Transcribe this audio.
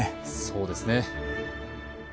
そうですね